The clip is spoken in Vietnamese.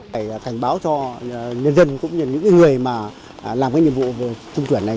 phải cảnh báo cho nhân dân cũng như những người mà làm cái nhiệm vụ trung tuyển này